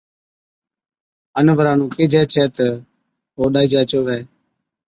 اَنوَرا نُون ڪيهجَي ڇَي تہ او ڏائِجا چووي